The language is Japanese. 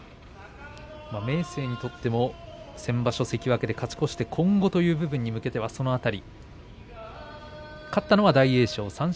明生にとっても先場所関脇で勝ち越して今場所という部分ではその辺り。